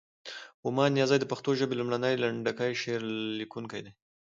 ومان نیازی د پښتو ژبې لومړی، لنډکی شعر لیکونکی دی.